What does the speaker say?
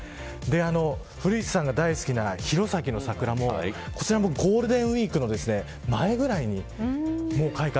古市さんが大好きな弘前の桜もこちらもゴールデンウイークの前ぐらいに開花。